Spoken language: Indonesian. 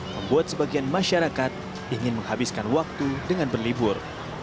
membuat sebagian masyarakat ingin menghabiskan waktu dengan berlibur